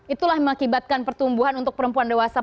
itulah mengakibatkan pertumbuhan untuk perempuan dewasa